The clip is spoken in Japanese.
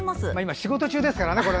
仕事中ですからね。